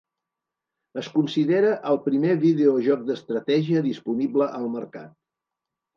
Es considera el primer videojoc d'estratègia disponible al mercat.